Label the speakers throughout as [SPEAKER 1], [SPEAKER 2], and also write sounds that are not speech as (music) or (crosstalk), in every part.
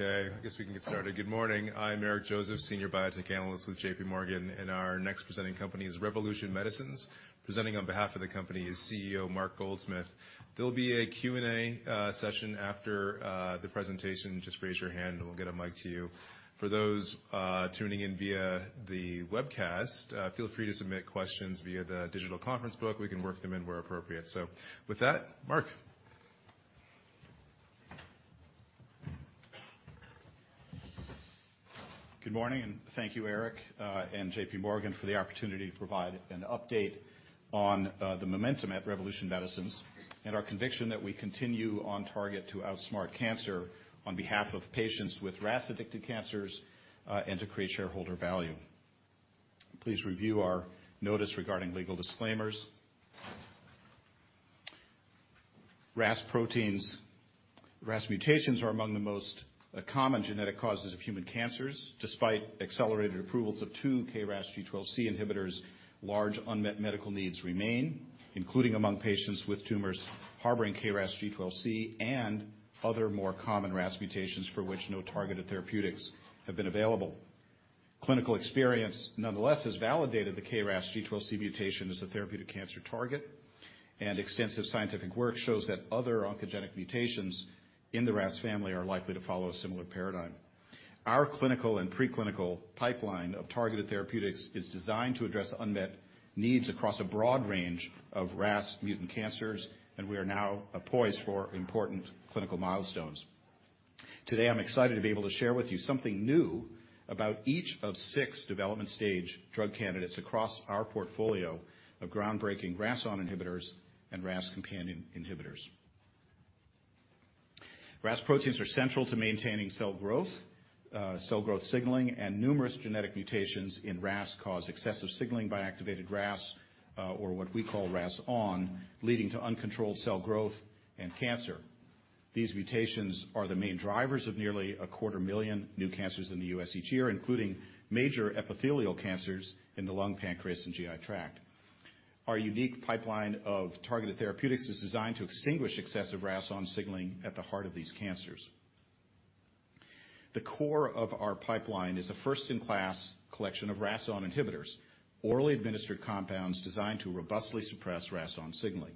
[SPEAKER 1] Okay, I guess we can get started. Good morning. I'm Eric Joseph, Senior Biotech Analyst with JPMorgan. Our next presenting company is Revolution Medicines. Presenting on behalf of the company is CEO Mark Goldsmith. There'll be a Q&A session after the presentation. Just raise your hand, and we'll get a mic to you. For those tuning in via the webcast, feel free to submit questions via the digital conference book. We can work them in where appropriate. With that, Mark.
[SPEAKER 2] Good morning, and thank you, Eric, and JPMorgan for the opportunity to provide an update on the momentum at Revolution Medicines and our conviction that we continue on target to outsmart cancer on behalf of patients with RAS-addicted cancers, and to create shareholder value. Please review our notice regarding legal disclaimers. RAS mutations are among the most common genetic causes of human cancers. Despite accelerated approvals of two KRAS G12C inhibitors, large unmet medical needs remain, including among patients with tumors harboring KRAS G12C and other more common RAS mutations for which no targeted therapeutics have been available. Clinical experience, nonetheless, has validated the KRAS G12C mutation as a therapeutic cancer target, and extensive scientific work shows that other oncogenic mutations in the RAS family are likely to follow a similar paradigm. Our clinical and preclinical pipeline of targeted therapeutics is designed to address unmet needs across a broad range of RAS mutant cancers, and we are now a poise for important clinical milestones. Today, I'm excited to be able to share with you something new about each of six development stage drug candidates across our portfolio of groundbreaking RAS on inhibitors and RAS Companion Inhibitors. RAS proteins are central to maintaining cell growth, cell growth signaling, and numerous genetic mutations in RAS cause excessive signaling by activated RAS, or what we call RAS-ON, leading to uncontrolled cell growth and cancer. These mutations are the main drivers of nearly a quarter million new cancers in the US each year, including major epithelial cancers in the lung, pancreas, and GI tract. Our unique pipeline of targeted therapeutics is designed to extinguish excessive RAS on signaling at the heart of these cancers. The core of our pipeline is a first-in-class collection of RAS(ON) Inhibitors, orally administered compounds designed to robustly suppress RAS(ON) signaling.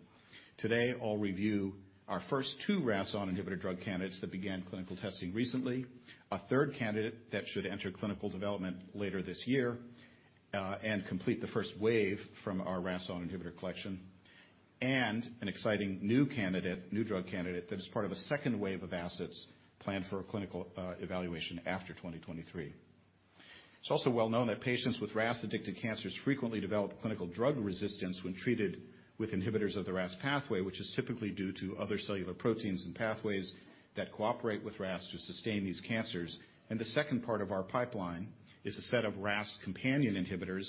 [SPEAKER 2] Today, I'll review our first two RAS(ON) Inhibitor drug candidates that began clinical testing recently, a third candidate that should enter clinical development later this year, and complete the first wave from our RAS(ON) Inhibitor collection, and an exciting new drug candidate that is part of a second wave of assets planned for a clinical evaluation after 2023. It's also well known that patients with RAS-addicted cancers frequently develop clinical drug resistance when treated with inhibitors of the RAS pathway, which is typically due to other cellular proteins and pathways that cooperate with RAS to sustain these cancers. The second part of our pipeline is a set of RAS Companion Inhibitors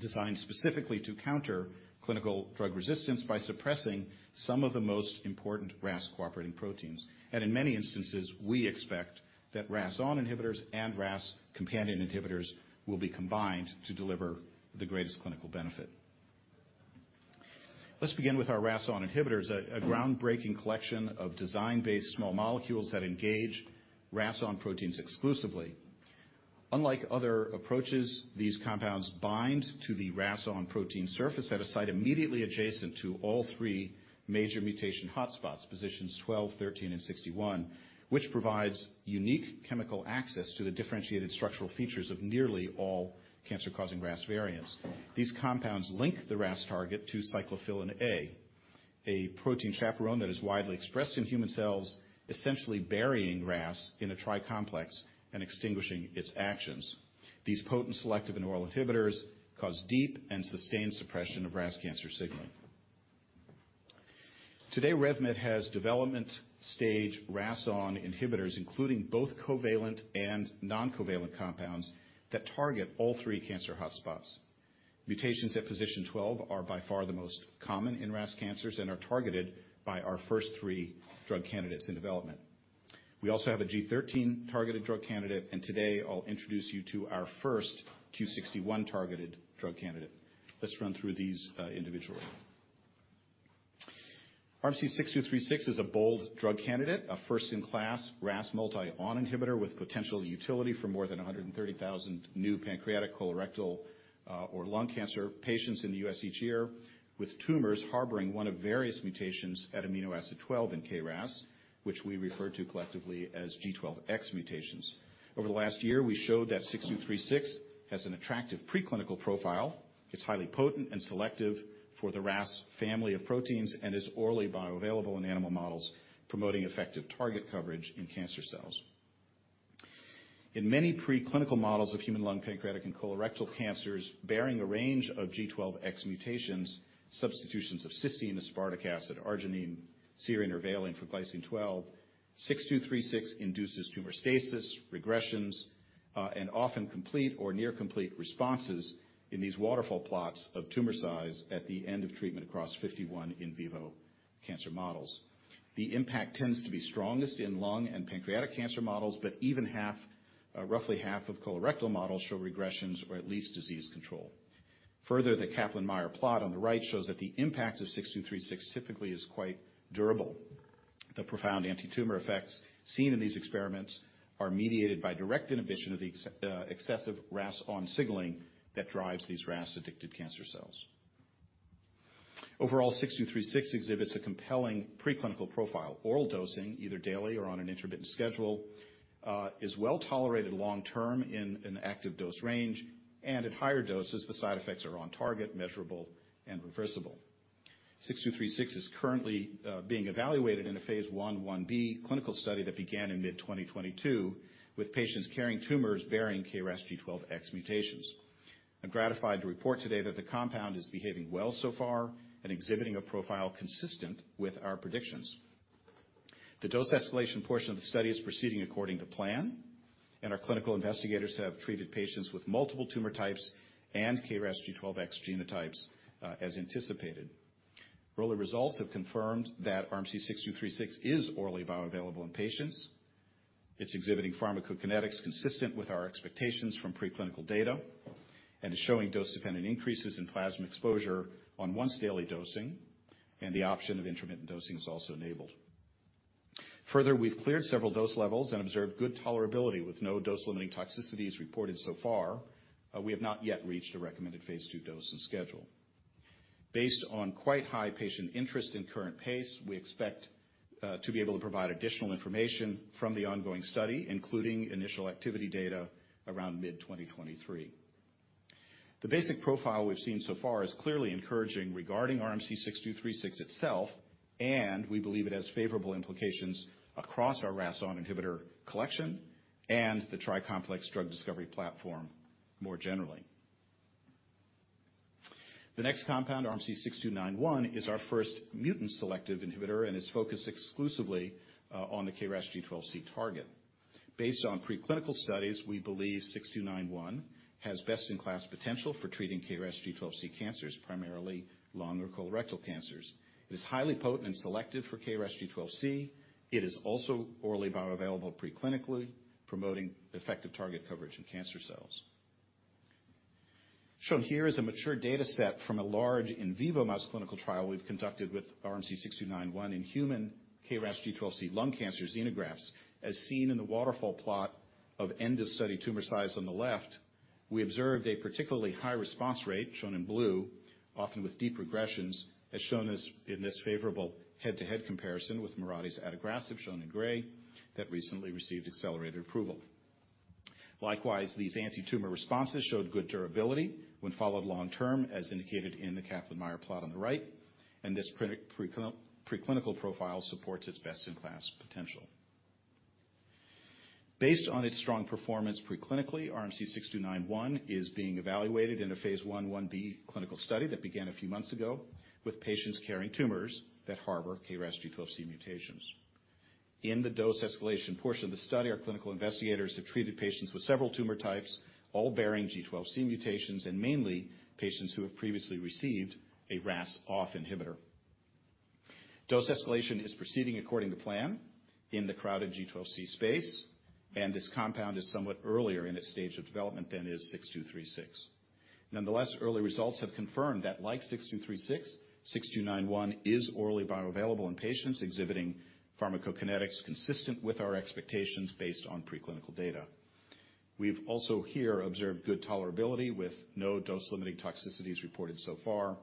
[SPEAKER 2] designed specifically to counter clinical drug resistance by suppressing some of the most important RAS cooperating proteins. In many instances, we expect that RAS On inhibitors and RAS Companion Inhibitors will be combined to deliver the greatest clinical benefit. Let's begin with our RAS On inhibitors, a groundbreaking collection of design-based small molecules that engage RAS On proteins exclusively. Unlike other approaches, these compounds bind to the RAS On protein surface at a site immediately adjacent to all three major mutation hotspots, positions 12, 13, and 61, which provides unique chemical access to the differentiated structural features of nearly all cancer-causing RAS variants. These compounds link the RAS target to cyclophilin A, a protein chaperone that is widely expressed in human cells, essentially burying RAS in a Tri-Complex and extinguishing its actions. These potent selective and oral inhibitors cause deep and sustained suppression of RAS cancer signaling. Today, RevMed has development stage RAS(ON) Inhibitors, including both covalent and non-covalent compounds that target all three cancer hotspots. Mutations at position 12 are by far the most common in RAS cancers and are targeted by our first three drug candidates in development. We also have a G13 targeted drug candidate, and today I'll introduce you to our first Q61 targeted drug candidate. Let's run through these individually. RMC-6236 is a bold drug candidate, a first in class RAS(ON) multi-selective inhibitor with potential utility for more than 130,000 new pancreatic, colorectal, or lung cancer patients in the US each year with tumors harboring one of various mutations at amino acid 12 in KRAS, which we refer to collectively as G12X mutations. Over the last year, we showed that RMC-6236 has an attractive preclinical profile. It's highly potent and selective for the RAS family of proteins and is orally bioavailable in animal models, promoting effective target coverage in cancer cells. In many preclinical models of human lung, pancreatic, and colorectal cancers bearing a range of G12X mutations, substitutions of cysteine, aspartic acid, arginine, serine, or valine for glycine 12, RMC-6236 induces tumor stasis, regressions, and often complete or near complete responses in these waterfall plots of tumor size at the end of treatment across 51 in vivo cancer models. The impact tends to be strongest in lung and pancreatic cancer models, but even roughly half of colorectal models show regressions or at least disease control. Further, the Kaplan-Meier plot on the right shows that the impact of RMC-6236 typically is quite durable. The profound antitumor effects seen in these experiments are mediated by direct inhibition of the excessive RAS(ON) signaling that drives these RAS-addicted cancer cells. Overall, RMC-6236 exhibits a compelling preclinical profile. Oral dosing, either daily or on an intermittent schedule, is well-tolerated long term in an active dose range, and at higher doses, the side effects are on target, measurable, and reversible. RMC-6236 is currently being evaluated in a phase I/IB clinical study that began in mid-2022 with patients carrying tumors bearing KRAS G12X mutations. I'm gratified to report today that the compound is behaving well so far and exhibiting a profile consistent with our predictions. The dose escalation portion of the study is proceeding according to plan, and our clinical investigators have treated patients with multiple tumor types and KRAS G12X genotypes, as anticipated. Early results have confirmed that RMC-6236 is orally bioavailable in patients. It's exhibiting pharmacokinetics consistent with our expectations from preclinical data and is showing dose-dependent increases in plasma exposure on once-daily dosing, and the option of intermittent dosing is also enabled. Further, we've cleared several dose levels and observed good tolerability with no dose-limiting toxicities reported so far. We have not yet reached a recommended phase II dose and schedule. Based on quite high patient interest and current pace, we expect to be able to provide additional information from the ongoing study, including initial activity data around mid-2023. The basic profile we've seen so far is clearly encouraging regarding RMC-6236 itself, and we believe it has favorable implications across our RAS(ON) Inhibitor collection and the Tri-Complex drug discovery platform more generally. The next compound, RMC-6291, is our first mutant-selective inhibitor and is focused exclusively on the KRAS G12C target. Based on preclinical studies, we believe RMC-6291 has best-in-class potential for treating KRAS G12C cancers, primarily lung or colorectal cancers. It is highly potent and selective for KRAS G12C. It is also orally bioavailable preclinically, promoting effective target coverage in cancer cells. Shown here is a mature dataset from a large in vivo mouse clinical trial we've conducted with RMC-6291 in human KRAS G12C lung cancer xenografts, as seen in the waterfall plot of end of study tumor size on the left. We observed a particularly high response rate, shown in blue, often with deep regressions, as shown in this favorable head-to-head comparison with Mirati's adagrasib, shown in gray, that recently received accelerated approval. Likewise, these antitumor responses showed good durability when followed long term, as indicated in the Kaplan-Meier plot on the right, and this preclinical profile supports its best-in-class potential. Based on its strong performance preclinically, RMC-6291 is being evaluated in a phase I/IB clinical study that began a few months ago with patients carrying tumors that harbor KRAS G12C mutations. In the dose escalation portion of the study, our clinical investigators have treated patients with several tumor types, all bearing G12C mutations and mainly patients who have previously received a RAS(OFF) inhibitor. Dose escalation is proceeding according to plan in the crowded G12C space, and this compound is somewhat earlier in its stage of development than is RMC-6236. Nonetheless, early results have confirmed that like RMC-6236, RMC-6291 is orally bioavailable in patients exhibiting pharmacokinetics consistent with our expectations based on preclinical data. We've also here observed good tolerability with no dose-limiting toxicities reported so far.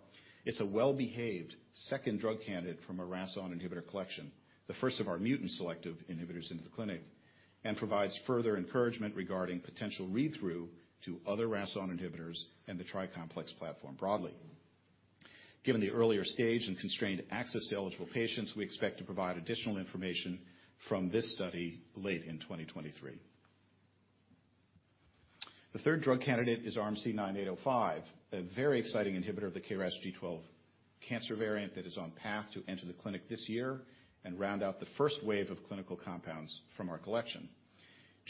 [SPEAKER 2] It's a well-behaved second drug candidate from a RAS(ON) Inhibitor collection, the first of our mutant-selective inhibitors into the clinic and provides further encouragement regarding potential read-through to other RAS(ON) Inhibitors and the Tri-Complex platform broadly. Given the earlier stage and constrained access to eligible patients, we expect to provide additional information from this study late in 2023. The third drug candidate is RMC-9805, a very exciting inhibitor of the KRAS G12 cancer variant that is on path to enter the clinic this year and round out the first wave of clinical compounds from our collection.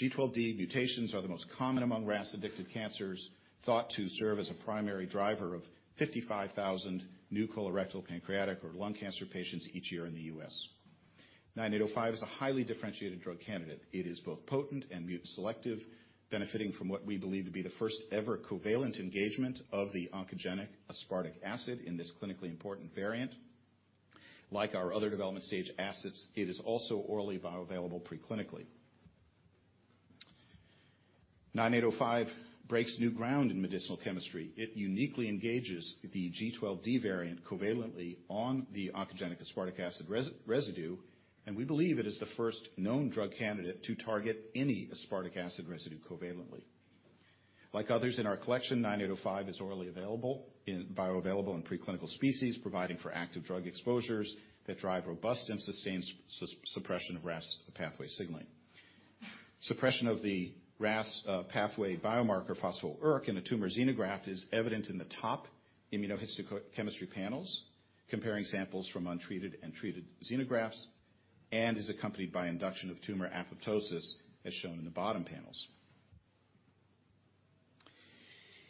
[SPEAKER 2] G12D mutations are the most common among RAS-addicted cancers, thought to serve as a primary driver of 55,000 new colorectal, pancreatic, or lung cancer patients each year in the US. RMC-9805 is a highly differentiated drug candidate. It is both potent and mutant-selective, benefiting from what we believe to be the first ever covalent engagement of the oncogenic aspartic acid in this clinically important variant. Like our other development stage acids, it is also orally bioavailable preclinically. RMC-9805 breaks new ground in medicinal chemistry. It uniquely engages the G12D variant covalently on the oncogenic aspartic acid residue. We believe it is the first known drug candidate to target any aspartic acid residue covalently. Like others in our collection, RMC-9805 is orally bioavailable in preclinical species, providing for active drug exposures that drive robust and sustained suppression of RAS pathway signaling. Suppression of the RAS pathway biomarker phospho-ERK in a tumor xenograft is evident in the top immunohistochemistry panels comparing samples from untreated and treated xenografts and is accompanied by induction of tumor apoptosis, as shown in the bottom panels.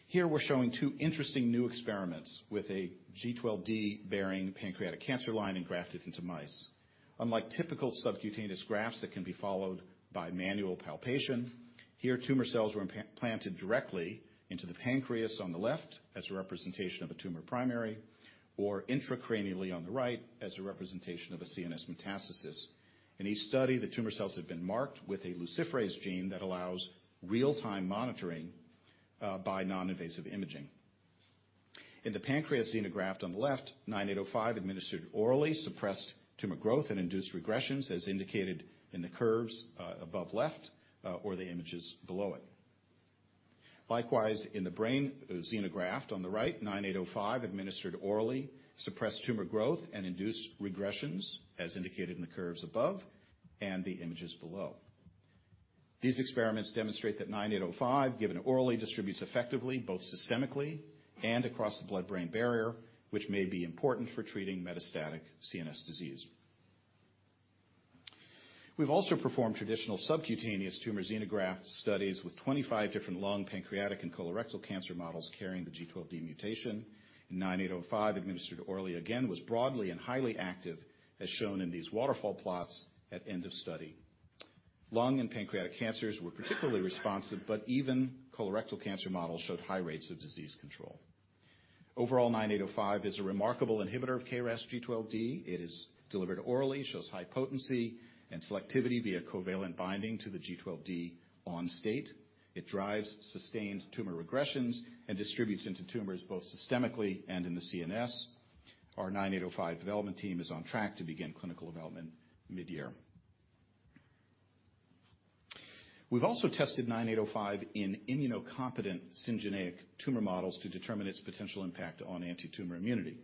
[SPEAKER 2] Here we're showing two interesting new experiments with a G12D bearing pancreatic cancer line and grafted into mice. Unlike typical subcutaneous grafts that can be followed by manual palpation, here tumor cells were implanted directly into the pancreas on the left as a representation of a tumor primary, or intracranially on the right as a representation of a CNS metastasis. In each study, the tumor cells have been marked with a luciferase gene that allows real-time monitoring, by non-invasive imaging. In the pancreas xenograft on the left, RMC-9805 administered orally suppressed tumor growth and induced regressions, as indicated in the curves, above left, or the images below it. Likewise, in the brain xenograft on the right, RMC-9805 administered orally suppressed tumor growth and induced regressions, as indicated in the curves above and the images below. These experiments demonstrate that RMC-9805 given orally distributes effectively, both systemically and across the blood-brain barrier, which may be important for treating metastatic CNS disease. We've also performed traditional subcutaneous tumor xenograft studies with 25 different lung, pancreatic, and colorectal cancer models carrying the G12D mutation. RMC-9805 administered orally again was broadly and highly active, as shown in these waterfall plots at end of study. Lung and pancreatic cancers were particularly responsive. Even colorectal cancer models showed high rates of disease control. Overall, RMC-9805 is a remarkable inhibitor of KRAS G12D. It is delivered orally, shows high potency and selectivity via covalent binding to the G12D ON state. It drives sustained tumor regressions and distributes into tumors both systemically and in the CNS. Our RMC-9805 development team is on track to begin clinical development mid-year. We've also tested RMC-9805 in immunocompetent syngeneic tumor models to determine its potential impact on antitumor immunity.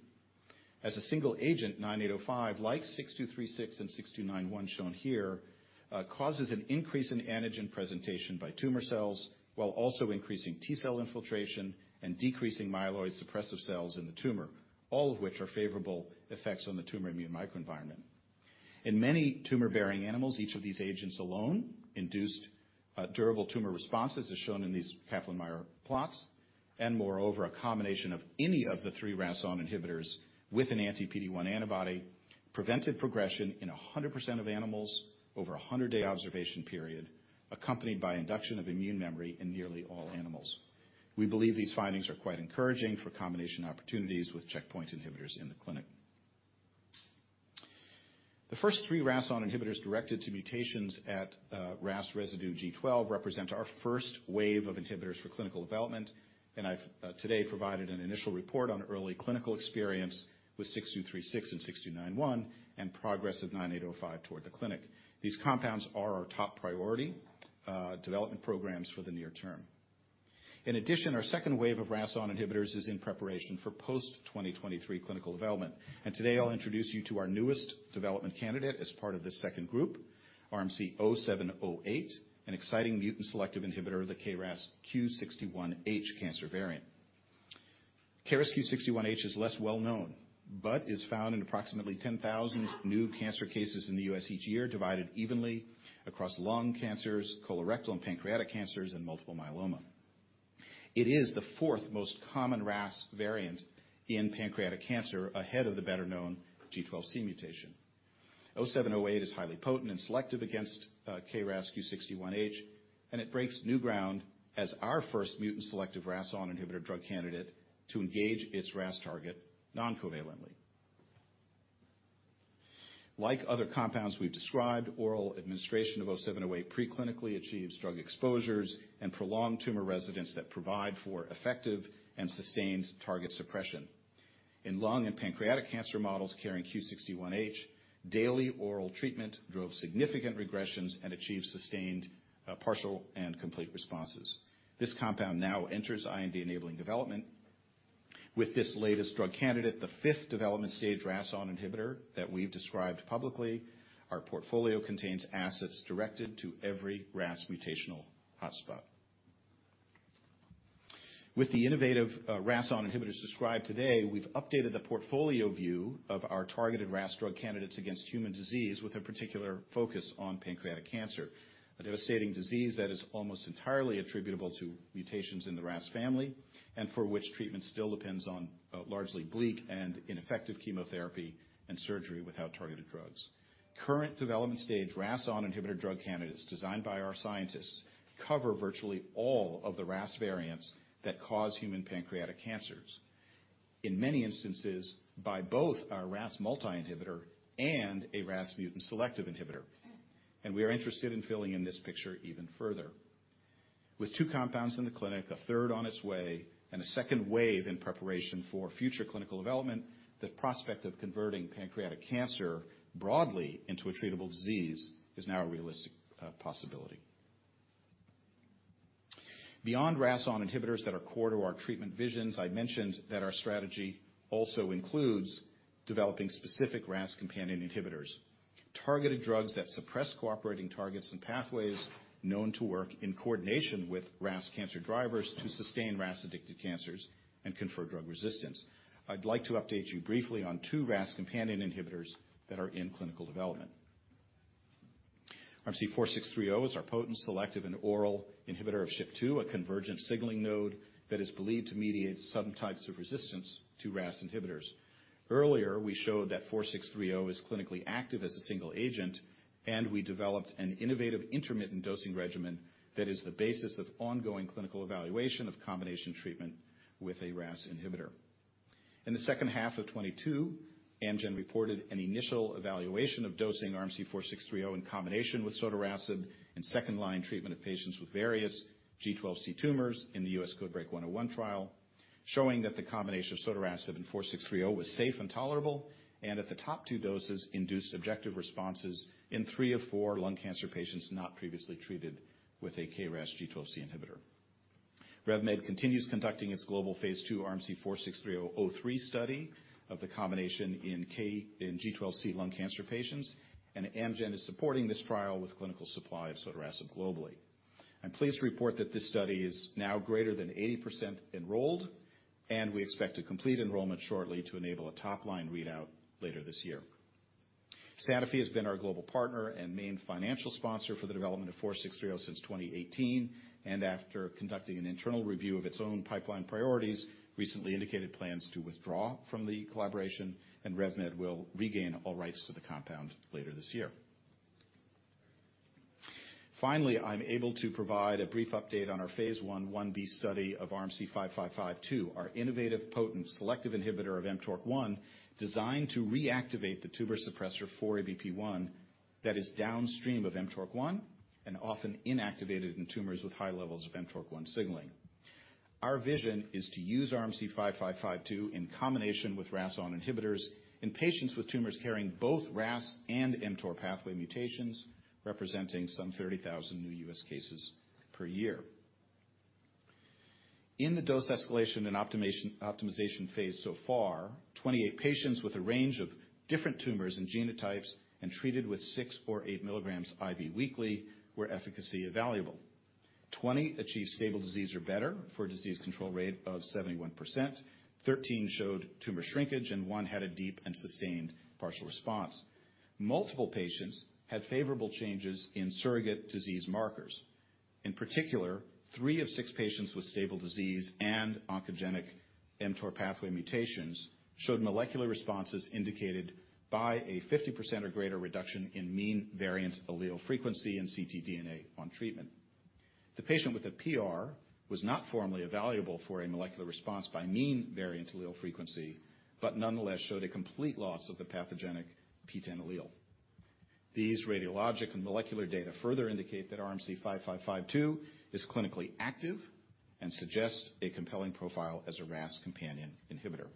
[SPEAKER 2] As a single agent, RMC-9805, like RMC-6236 and RMC-6291 shown here, causes an increase in antigen presentation by tumor cells while also increasing T-cell infiltration and decreasing myeloid suppressive cells in the tumor, all of which are favorable effects on the tumor immune microenvironment. In many tumor-bearing animals, each of these agents alone induced durable tumor responses, as shown in these Kaplan-Meier plots. Moreover, a combination of any of the three RAS(ON) Inhibitors with an anti-PD-1 antibody prevented progression in 100% of animals over a 100-day observation period, accompanied by induction of immune memory in nearly all animals. We believe these findings are quite encouraging for combination opportunities with checkpoint inhibitors in the clinic. The first three RAS(ON) Inhibitors directed to mutations at RAS residue G12 represent our first wave of inhibitors for clinical development, and I've today provided an initial report on early clinical experience with RMC-6236 and RMC-6291 and progress of RMC-9805 toward the clinic. These compounds are our top priority, development programs for the near term. In addition, our second wave of RAS(ON) Inhibitors is in preparation for post-2023 clinical development. Today, I'll introduce you to our newest development candidate as part of this second group, RMC-0708, an exciting mutant selective inhibitor of the KRAS Q61H cancer variant. KRAS Q61H is less well-known but is found in approximately 10,000 new cancer cases in the US each year, divided evenly across lung cancers, colorectal and pancreatic cancers, and multiple myeloma. It is the fourth most common RAS variant in pancreatic cancer ahead of the better-known G12C mutation. RMC-0708 is highly potent and selective against KRAS Q61H, and it breaks new ground as our first mutant selective RAS(ON) inhibitor drug candidate to engage its RAS target non-covalently. Like other compounds we've described, oral administration of RMC-0708 pre-clinically achieves drug exposures and prolonged tumor residence that provide for effective and sustained target suppression. In lung and pancreatic cancer models carrying Q61H, daily oral treatment drove significant regressions and achieved sustained partial and complete responses. This compound now enters IND-enabling development. With this latest drug candidate, the fifth development-stage RAS(ON) inhibitor that we've described publicly, our portfolio contains assets directed to every RAS mutational hotspot. With the innovative RAS on inhibitors described today, we've updated the portfolio view of our targeted RAS drug candidates against human disease with a particular focus on pancreatic cancer, a devastating disease that is almost entirely attributable to mutations in the RAS family and for which treatment still depends on largely bleak and ineffective chemotherapy and surgery without targeted drugs. Current development-stage RAS on inhibitor drug candidates designed by our scientists cover virtually all of the RAS variants that cause human pancreatic cancers. In many instances, by both our RAS multi-inhibitor and a RAS mutant-selective inhibitor. We are interested in filling in this picture even further. With two compounds in the clinic, a third on its way, and a second wave in preparation for future clinical development, the prospect of converting pancreatic cancer broadly into a treatable disease is now a realistic possibility. Beyond RAS(ON) inhibitors that are core to our treatment visions, I mentioned that our strategy also includes developing specific RAS Companion Inhibitors, targeted drugs that suppress cooperating targets and pathways known to work in coordination with RAS cancer drivers to sustain RAS-addicted cancers and confer drug resistance. I'd like to update you briefly on two RAS Companion Inhibitors that are in clinical development. RMC-4630 is our potent selective and oral inhibitor of SHP2, a convergent signaling node that is believed to mediate some types of resistance to RAS inhibitors. Earlier, we showed that RMC-4630 is clinically active as a single agent. We developed an innovative intermittent dosing regimen that is the basis of ongoing clinical evaluation of combination treatment with a RAS inhibitor. In the second half of 2022, Amgen reported an initial evaluation of dosing RMC-4630 in combination with sotorasib in second-line treatment of patients with various G12C tumors in the US CodeBreaK 101 trial, showing that the combination of sotorasib and RMC-4630 was safe and tolerable, and at the top two doses induced objective responses in three of four lung cancer patients not previously treated with a KRAS G12C inhibitor. RevMed continues conducting its global phase II RMC-4630-03 study of the combination in G12C lung cancer patients, and Amgen is supporting this trial with clinical supply of sotorasib globally. I'm pleased to report that this study is now greater than 80% enrolled, and we expect to complete enrollment shortly to enable a top-line readout later this year. Sanofi has been our global partner and main financial sponsor for the development of RMC-4630 since 2018. After conducting an internal review of its own pipeline priorities, recently indicated plans to withdraw from the collaboration and RevMed will regain all rights to the compound later this year. Finally, I'm able to provide a brief update on our phase I/IB study of RMC-5552, our innovative potent selective inhibitor of mTORC1 designed to reactivate the tumor suppressor 4E-BP1 that is downstream of mTORC1 and often inactivated in tumors with high levels of mTORC1 signaling. Our vision is to use RMC-5552 in combination with RAS(ON) Inhibitors in patients with tumors carrying both RAS and mTOR pathway mutations, representing some 30,000 new US cases per year. In the dose escalation and optimization phase so far, 28 patients with a range of different tumors and genotypes and treated with 6 mg or 8 mg IV weekly were efficacy evaluable. 20 achieved stable disease or better for a disease control rate of 71%. 13 showed tumor shrinkage, and one had a deep and sustained partial response. Multiple patients had favorable changes in surrogate disease markers. In particular, three of six patients with stable disease and oncogenic mTOR pathway mutations showed molecular responses indicated by a 50% or greater reduction in mean variant allele frequency in ctDNA on treatment. The patient with a PR was not formally evaluable for a molecular response by mean variant allele frequency but nonetheless showed a complete loss of the pathogenic PTEN allele. These radiologic and molecular data further indicate that RMC-5552 is clinically active and suggests a compelling profile as a RAS Companion Inhibitor.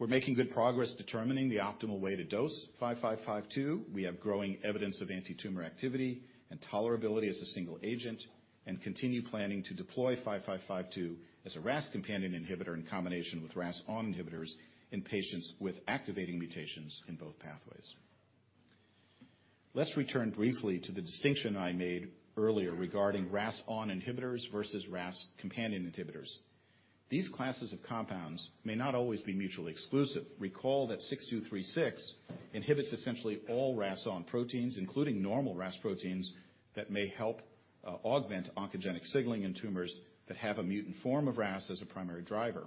[SPEAKER 2] We're making good progress determining the optimal way to dose RMC-5552. We have growing evidence of antitumor activity and tolerability as a single agent and continue planning to deploy RMC-5552 as a RAS Companion Inhibitor in combination with RAS(ON) Inhibitors in patients with activating mutations in both pathways. Let's return briefly to the distinction I made earlier regarding RAS(ON) Inhibitors versus RAS Companion Inhibitors. These classes of compounds may not always be mutually exclusive. Recall that RMC-6236 inhibits essentially all RAS(ON) proteins, including normal RAS proteins that may help augment oncogenic signaling in tumors that have a mutant form of RAS as a primary driver.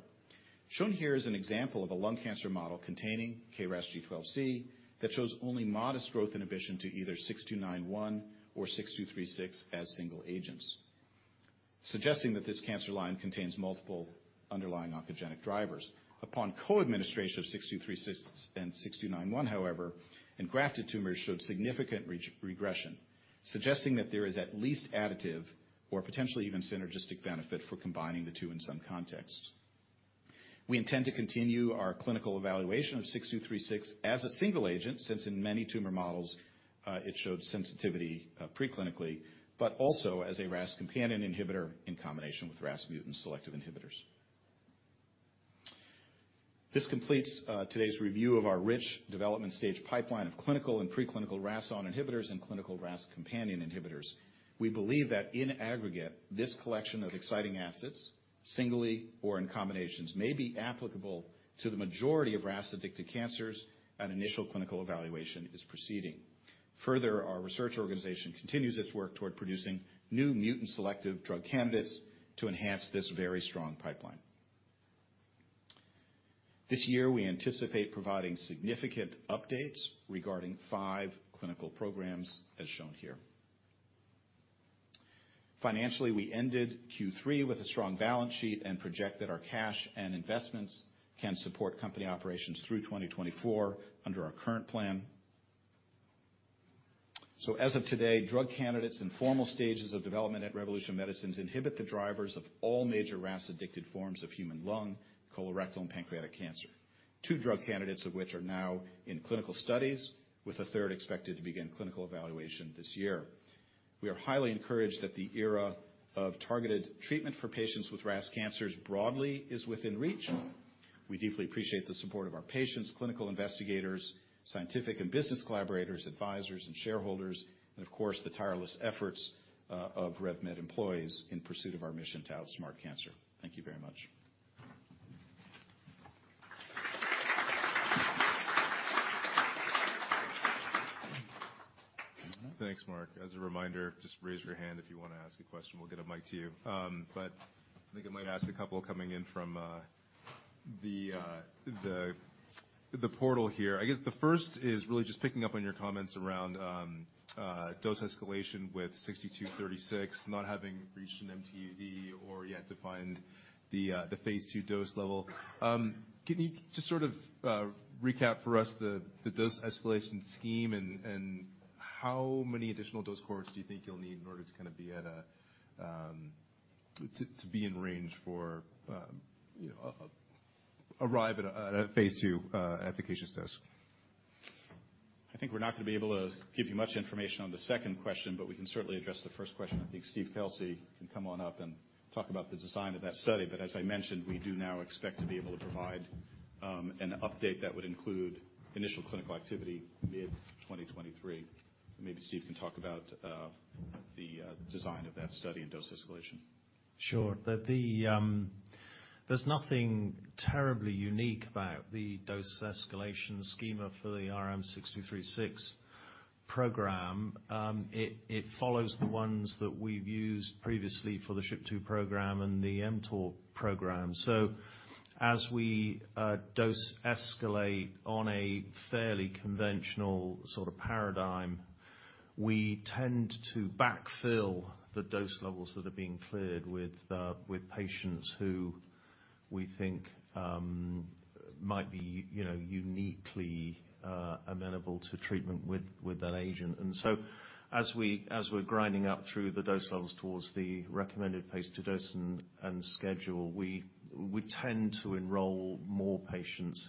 [SPEAKER 2] Shown here is an example of a lung cancer model containing KRAS G12C that shows only modest growth inhibition to either RMC-6291 or RMC-6236 as single agents, suggesting that this cancer line contains multiple underlying oncogenic drivers. Upon co-administration of RMC-6236 and RMC-6291, however, engrafted tumors showed significant regression, suggesting that there is at least additive or potentially even synergistic benefit for combining the two in some contexts. We intend to continue our clinical evaluation of RMC-6236 as a single agent, since in many tumor models, it showed sensitivity preclinically, but also as a RAS Companion Inhibitor in combination with RAS mutant-selective inhibitors. This completes today's review of our rich development stage pipeline of clinical and preclinical RAS(ON) Inhibitors and clinical RAS Companion Inhibitors. We believe that in aggregate, this collection of exciting assets, singly or in combinations, may be applicable to the majority of RAS-addicted cancers and initial clinical evaluation is proceeding. Further, our research organization continues its work toward producing new mutant-selective drug candidates to enhance this very strong pipeline. This year, we anticipate providing significant updates regarding five clinical programs as shown here. Financially, we ended third quarter with a strong balance sheet and project that our cash and investments can support company operations through 2024 under our current plan. As of today, drug candidates in formal stages of development at Revolution Medicines inhibit the drivers of all major RAS-addicted forms of human lung, colorectal, and pancreatic cancer, two drug candidates of which are now in clinical studies, with a third expected to begin clinical evaluation this year. We are highly encouraged that the era of targeted treatment for patients with RAS cancers broadly is within reach. We deeply appreciate the support of our patients, clinical investigators, scientific and business collaborators, advisors and shareholders, and of course, the tireless efforts of RevMed employees in pursuit of our mission to outsmart cancer. Thank you very much.
[SPEAKER 1] Thanks, Mark. As a reminder, just raise your hand if you wanna ask a question, we'll get a mic to you. I think I might ask a couple coming in from the portal here. I guess the first is really just picking up on your comments around dose escalation with RMC-6236, not having reached an MTD or yet defined the phase II dose level. Can you just sort of recap for us the dose escalation scheme and how many additional dose cohorts do you think you'll need in order to kinda be at a to be in range for, you know, arrive at a phase II efficacious dose?
[SPEAKER 2] I think we're not gonna be able to give you much information on the second question, but we can certainly address the first question. I think Stephen Kelsey can come on up and talk about the design of that study. As I mentioned, we do now expect to be able to provide an update that would include initial clinical activity mid-2023. Maybe Steve can talk about the design of that study and dose escalation.
[SPEAKER 3] Sure. There's nothing terribly unique about the dose escalation schema for the RMC-6236 program. It follows the ones that we've used previously for the SHP2 program and the mTOR program. As we dose escalate on a fairly conventional sort of paradigm, we tend to backfill the dose levels that are being cleared with patients who we think might be, you know, uniquely amenable to treatment with that agent. As we're grinding up through the dose levels towards the recommended phase II dose and schedule, we tend to enroll more patients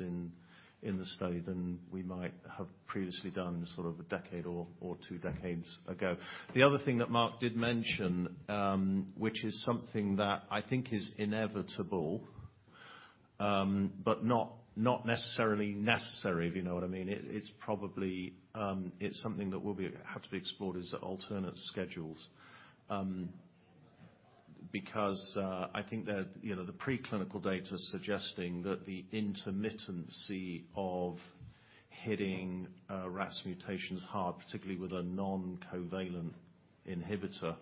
[SPEAKER 3] in the study than we might have previously done sort of a decade or two decades ago. The other thing that Mark did mention, which is something that I think is inevitable, but not necessarily necessary, if you know what I mean. It's probably something that will have to be explored is alternate schedules. Because, I think that, you know, the preclinical data suggesting that the intermittency of hitting a RAS mutation is hard, particularly with a non-covalent inhibitor,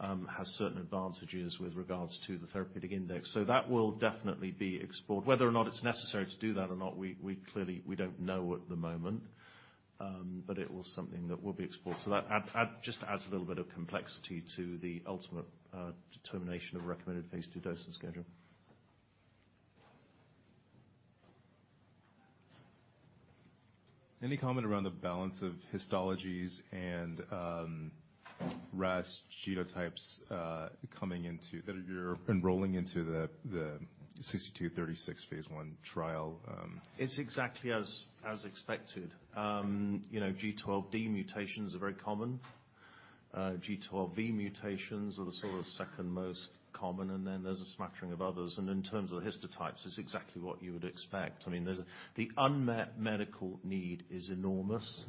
[SPEAKER 3] has certain advantages with regards to the therapeutic index. That will definitely be explored. Whether or not it's necessary to do that or not, we clearly, we don't know at the moment. It was something that will be explored. That just adds a little bit of complexity to the ultimate, determination of recommended phase II dose and schedule.
[SPEAKER 1] Any comment around the balance of histologies and RAS genotypes that you're enrolling into the RMC-6236 phase I trial?
[SPEAKER 3] It's exactly as expected. You know, G12D mutations are very common. G12V mutations are the sort of second most common, and then there's a smattering of others. In terms of the histotypes, it's exactly what you would expect. I mean, the unmet medical need is enormous,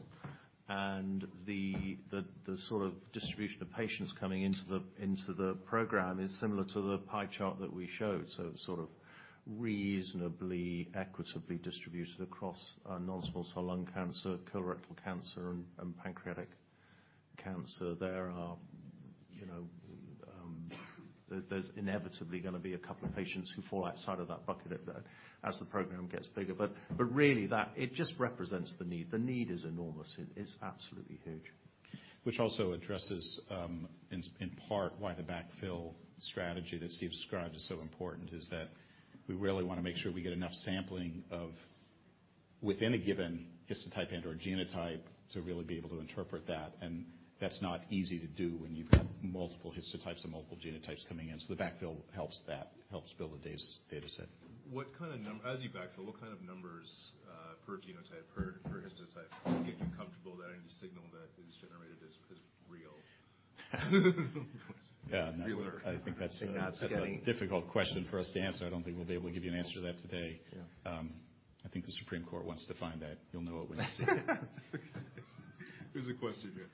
[SPEAKER 3] and the sort of distribution of patients coming into the program is similar to the pie chart that we showed. Sort of reasonably equitably distributed across non-small cell lung cancer, colorectal cancer and pancreatic cancer. There are, you know, there's inevitably gonna be a couple of patients who fall outside of that bucket as the program gets bigger. Really, it just represents the need. The need is enormous. It is absolutely huge.
[SPEAKER 2] Which also addresses, in part why the backfill strategy that Steve described is so important, is that we really wanna make sure we get enough sampling of within a given histotype and/or genotype to really be able to interpret that. That's not easy to do when you've got multiple histotypes and multiple genotypes coming in. The backfill helps that. It helps build a dataset.
[SPEAKER 1] As you backfill, what kind of numbers, per genotype, per histotype make you comfortable that any signal that is generated is real?
[SPEAKER 2] Yeah. No... (crosstalk)
[SPEAKER 1] Realer.
[SPEAKER 2] I think that's... (crosstalk)
[SPEAKER 3] That's getting... (crosstalk)
[SPEAKER 2] That's a difficult question for us to answer. I don't think we'll be able to give you an answer to that today.
[SPEAKER 3] Yeah.
[SPEAKER 2] I think the Supreme Court wants to find that. You'll know it when you see it.
[SPEAKER 1] There's a question here.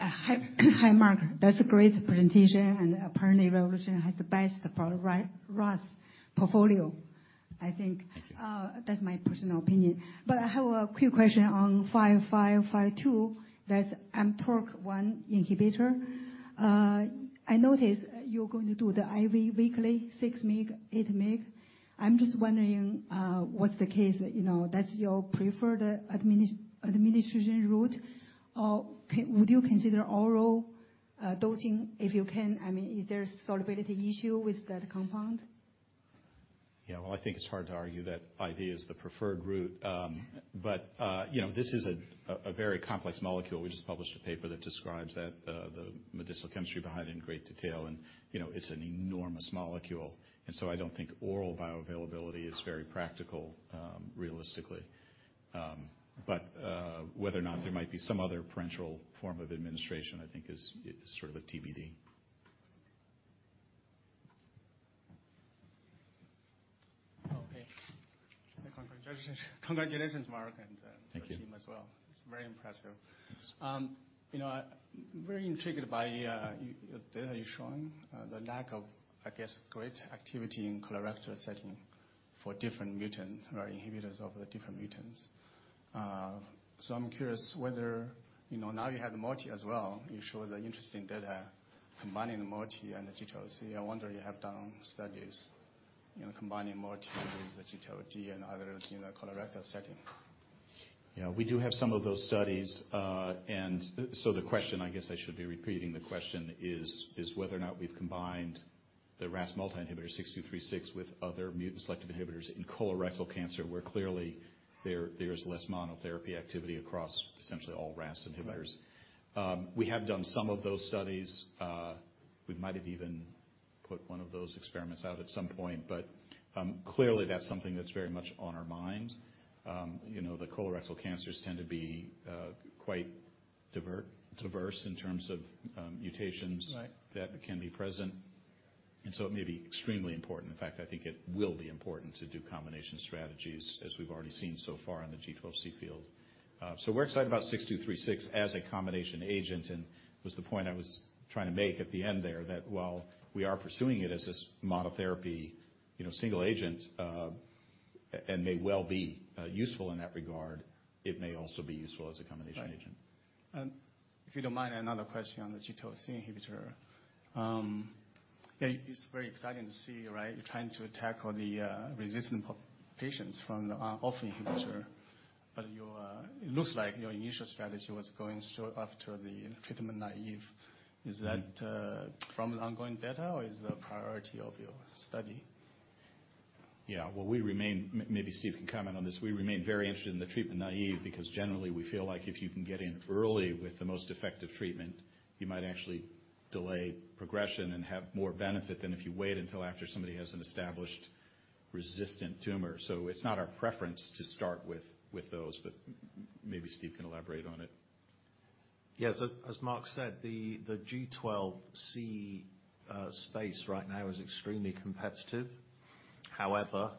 [SPEAKER 4] Hi, Mark. That's a great presentation. Apparently Revolution has the best RAS portfolio.
[SPEAKER 2] Thank you.
[SPEAKER 4] That's my personal opinion. I have a quick question on RMC-5552. That's mTORC1 inhibitor. I notice you're going to do the IV weekly, 6 mg, 8 mg. I'm just wondering, what's the case? You know, that's your preferred administration route, or would you consider oral dosing if you can? I mean, is there solubility issue with that compound?
[SPEAKER 2] Yeah. Well, I think it's hard to argue that IV is the preferred route. You know, this is a very complex molecule. We just published a paper that describes that the medicinal chemistry behind it in great detail and, you know, it's an enormous molecule. I don't think oral bioavailability is very practical, realistically. Whether or not there might be some other parenteral form of administration, I think is sort of a TBD.
[SPEAKER 5] Okay. Congratulations. Congratulations, Mark... (crosstalk)
[SPEAKER 2] Thank you.
[SPEAKER 5] The team as well. It's very impressive. You know, I'm very intrigued by your data you're showing, the lack of, I guess, great activity in colorectal setting for different mutant or inhibitors of the different mutants. I'm curious whether, you know, now you have the multi as well, you show the interesting data combining the multi and the G12C. I wonder, you have done studies, you know, combining multi with the G12D and others in the colorectal setting.
[SPEAKER 2] We do have some of those studies. The question, I guess I should be repeating the question is whether or not we've combined the RAS multi-inhibitor RMC-6236 with other mutant selective inhibitors in colorectal cancer, where clearly there's less monotherapy activity across essentially all RAS inhibitors. We have done some of those studies. We might have even put one of those experiments out at some point, but clearly that's something that's very much on our mind. You know, the colorectal cancers tend to be quite diverse in terms of mutations.
[SPEAKER 5] Right.
[SPEAKER 2] that can be present, it may be extremely important. In fact, I think it will be important to do combination strategies, as we've already seen so far in the G12C field. we're excited about RMC-6236 as a combination agent and was the point I was trying to make at the end there, that while we are pursuing it as this monotherapy, you know, single agent, and may well be useful in that regard, it may also be useful as a combination agent.
[SPEAKER 5] Right. If you don't mind, another question on the G12C inhibitor. It's very exciting to see, right, you're trying to tackle the resistant patients from the off inhibitor. It looks like your initial strategy was going so after the treatment naive. Is that from the ongoing data, or is the priority of your study?
[SPEAKER 2] Well, maybe Steve can comment on this. We remain very interested in the treatment-naive because generally we feel like if you can get in early with the most effective treatment, you might actually delay progression and have more benefit than if you wait until after somebody has an established resistant tumor. It's not our preference to start with those, but maybe Steve can elaborate on it.
[SPEAKER 3] Yeah. As Mark said, the G12C space right now is extremely competitive. However,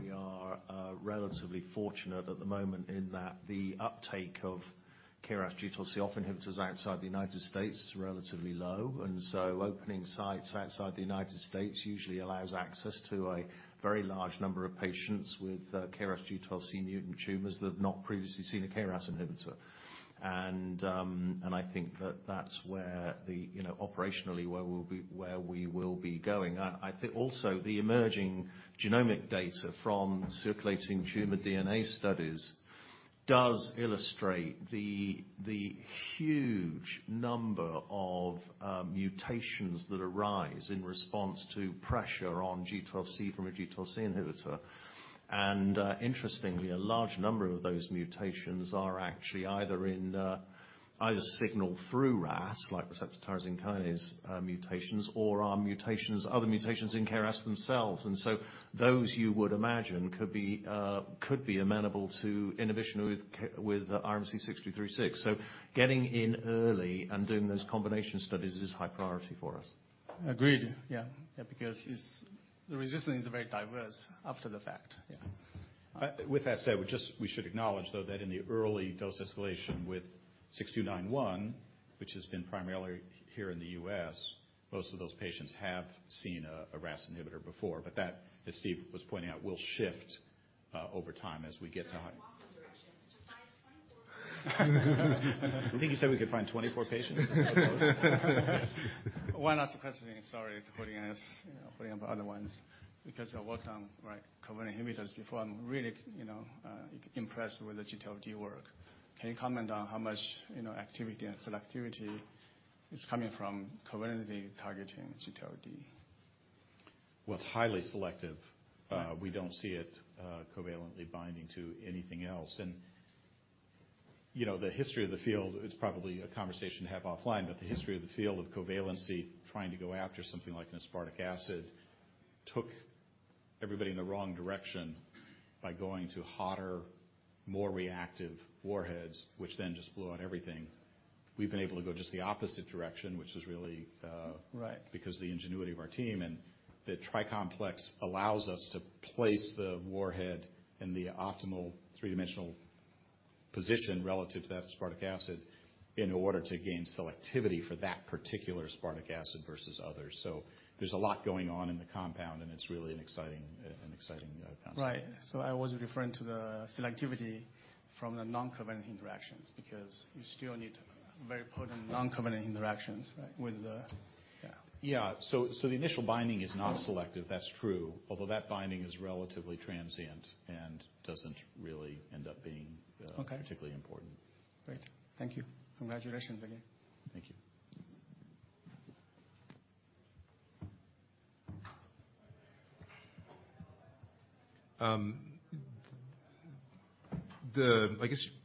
[SPEAKER 3] we are relatively fortunate at the moment in that the uptake of KRAS G12C off inhibitors outside the United States is relatively low. Opening sites outside the United States usually allows access to a very large number of patients with KRAS G12C mutant tumors that have not previously seen a KRAS inhibitor. I think that that's where the, you know, operationally, where we will be going. I think also the emerging genomic data from circulating tumor DNA studies does illustrate the huge number of mutations that arise in response to pressure on G12C from a G12C inhibitor. Interestingly, a large number of those mutations are actually either in signal through RAS, like receptor tyrosine kinase, other mutations in KRAS themselves. Those you would imagine could be amenable to inhibition with RMC-6236. Getting in early and doing those combination studies is high priority for us.
[SPEAKER 5] Agreed. Yeah. Yeah, because the resistance is very diverse after the fact. Yeah.
[SPEAKER 2] With that said, we should acknowledge though that in the early dose escalation with RMC-6291, which has been primarily here in the US, most of those patients have seen a RAS inhibitor before. That, as Steve was pointing out, will shift, over time as we get to... (crosstalk)
[SPEAKER 5] Sorry, walking directions to find 24 patients.
[SPEAKER 2] I think you said we could find 24 patients. I suppose.
[SPEAKER 5] One last question. Sorry for putting us, you know, putting up other ones. Because I worked on like covalent inhibitors before, I'm really, you know, impressed with the G12D work. Can you comment on how much, you know, activity and selectivity is coming from covalently targeting G12D?
[SPEAKER 2] Well, it's highly selective. We don't see it covalently binding to anything else. You know, the history of the field, it's probably a conversation to have offline, but the history of the field of covalency trying to go after something like an aspartic acid took everybody in the wrong direction by going to hotter, more reactive warheads, which then just blew out everything. We've been able to go just the opposite direction, which is really.
[SPEAKER 5] Right.
[SPEAKER 2] Because the ingenuity of our team and the Tri-Complex allows us to place the warhead in the optimal three-dimensional position relative to that aspartic acid in order to gain selectivity for that particular aspartic acid versus others. There's a lot going on in the compound, and it's really an exciting compound.
[SPEAKER 5] Right. I was referring to the selectivity from the non-covalent interactions, because you still need very potent non-covalent interactions, right, with the... Yeah.
[SPEAKER 2] Yeah. The initial binding is not selective. That's true. Although that binding is relatively transient and doesn't really end up being... (crosstalk)
[SPEAKER 5] Okay.
[SPEAKER 2] Particularly important.
[SPEAKER 5] Great. Thank you. Congratulations again.
[SPEAKER 2] Thank you.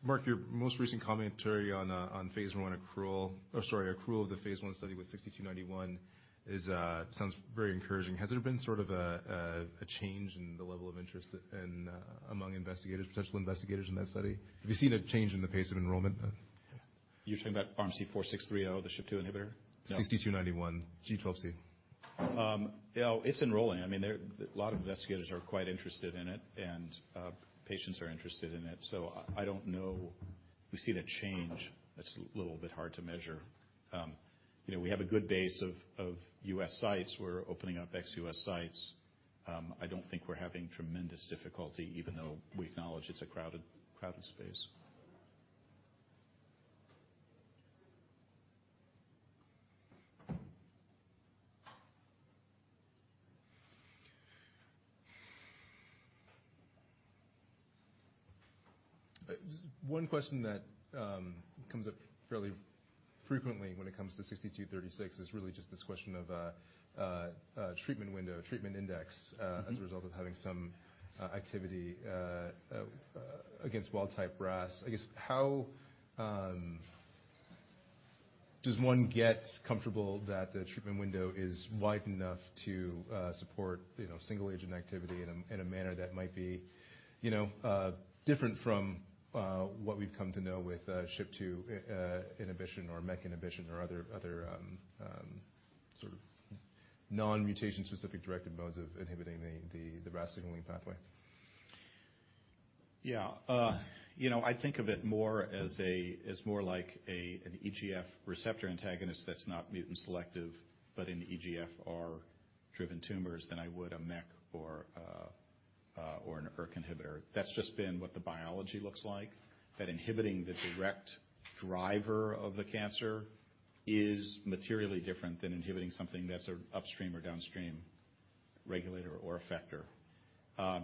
[SPEAKER 1] Mark, your most recent commentary on phase I accrual of the phase I study with RMC-6291 is sounds very encouraging. Has there been sort of a change in the level of interest in among investigators, potential investigators in that study? Have you seen a change in the pace of enrollment?
[SPEAKER 2] You're talking about RMC-4630, the SHP2 inhibitor?
[SPEAKER 1] RMC-6291 G12C.
[SPEAKER 2] Yeah. It's enrolling. I mean, a lot of investigators are quite interested in it, and patients are interested in it. I don't know if we've seen a change. That's a little bit hard to measure. You know, we have a good base of U.S. sites. We're opening up ex-US sites. I don't think we're having tremendous difficulty, even though we acknowledge it's a crowded space.
[SPEAKER 1] One question that comes up fairly frequently when it comes to RMC-6236 is really just this question of treatment window, treatment index... (crosstalk)
[SPEAKER 2] Mm-hmm.
[SPEAKER 1] As a result of having some activity against wild type RAS. I guess how does one get comfortable that the treatment window is wide enough to support, you know, single agent activity in a manner that might be, you know, different from what we've come to know with SHP2 inhibition or MEK inhibition or other sort of non-mutation specific directed modes of inhibiting the RAS signaling pathway?
[SPEAKER 2] Yeah. You know, I think of it more as a, as more like a, an EGF receptor antagonist that's not mutant selective, but in EGFR-driven tumors than I would a MEK or an ERK inhibitor. That's just been what the biology looks like, that inhibiting the direct driver of the cancer is materially different than inhibiting something that's a upstream or downstream regulator or effector.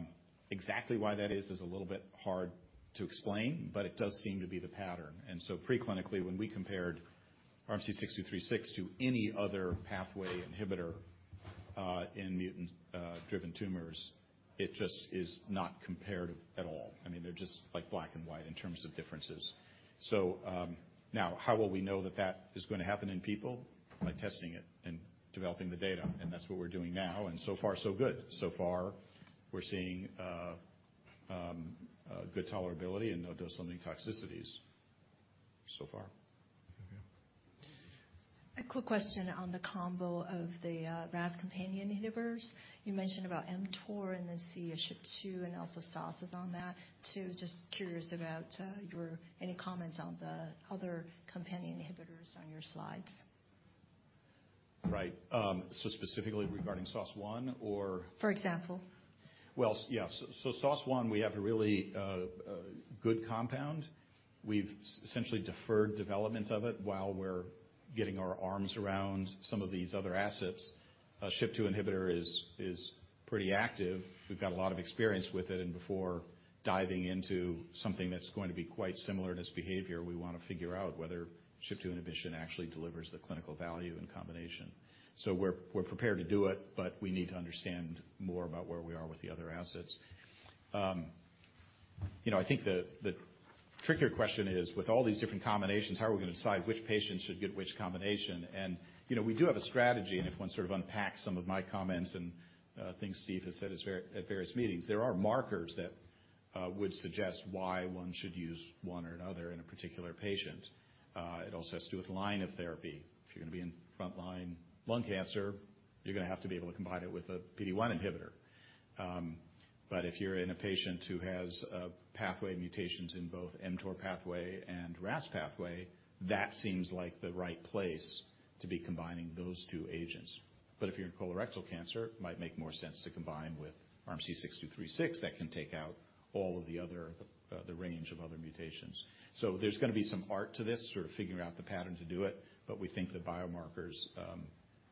[SPEAKER 2] Exactly why that is a little bit hard to explain, but it does seem to be the pattern. Pre-clinically, when we compared RMC-6236 to any other pathway inhibitor in mutant driven tumors, it just is not comparative at all. I mean, they're just like black and white in terms of differences. Now how will we know that that is gonna happen in people? By testing it and developing the data, and that's what we're doing now, and so far, so good. We're seeing, good tolerability and no dose-limiting toxicities so far.
[SPEAKER 1] Okay.
[SPEAKER 6] A quick question on the combo of the RAS Companion Inhibitors. You mentioned about mTOR and the SHP2 and also SOS1 on that too. Just curious about your any comments on the other Companion Inhibitors on your slides.
[SPEAKER 2] Right. specifically regarding SOS1.
[SPEAKER 6] For example.
[SPEAKER 2] Well, yeah. SOS1, we have a really good compound. We've essentially deferred development of it while we're getting our arms around some of these other assets. A SHP2 inhibitor is pretty active. We've got a lot of experience with it and before diving into something that's going to be quite similar in its behavior, we wanna figure out whether SHP2 inhibition actually delivers the clinical value in combination. We're prepared to do it, but we need to understand more about where we are with the other assets. You know, I think the trickier question is, with all these different combinations, how are we gonna decide which patients should get which combination? You know, we do have a strategy and if one sort of unpacks some of my comments and things Steve has said at various meetings, there are markers that would suggest why one should use one or another in a particular patient. It also has to do with line of therapy. If you're gonna be in front line lung cancer, you're gonna have to be able to combine it with a PD-1 inhibitor. If you're in a patient who has pathway mutations in both mTOR pathway and RAS pathway, that seems like the right place to be combining those two agents. If you're in colorectal cancer, it might make more sense to combine with RMC-6336 that can take out all of the other, the range of other mutations. There's gonna be some art to this, sort of figuring out the pattern to do it, but we think the biomarkers,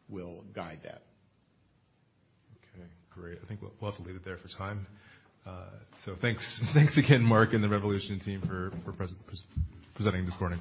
[SPEAKER 2] will guide that.
[SPEAKER 1] Okay, great. I think we'll have to leave it there for time. Thanks again, Mark and the Revolution team for presenting this morning.